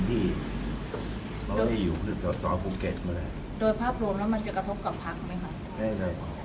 โดยภาพหลวงมันจะครับกับภัคดิ์ไหมครับ